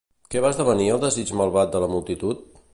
Què va esdevenir el desig malvat de la multitud?